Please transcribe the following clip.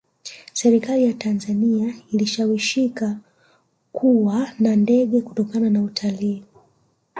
serikali ya tanzania ilishawishika kuwa na ndege kutokana na utalii